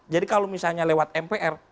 jadi kalau misalnya lewat mpr